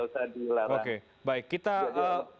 tidak usah dilarang